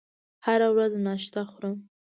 هره ورځ ناشته خورم